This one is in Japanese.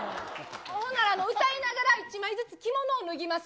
ほんなら、歌いながら１枚ずつ着物を脱ぎます。